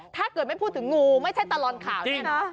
ถ้าเกิดไม่พูดถึงงูไม่ใช่ตลอดข่าวเนี่ยนะ